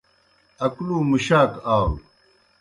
اکلوْ مُشاک آلوْ۔